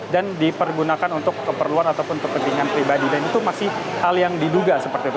dan dipergunakan untuk keperluan ataupun kepentingan pribadi dan itu masih hal yang diduga seperti itu